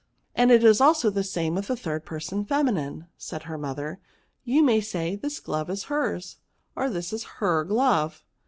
And it is also the same with the third person feminine," said her mother; you may say, this glove is hers, or this is her glove.